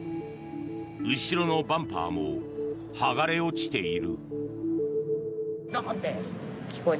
後ろのバンパーも剥がれ落ちている。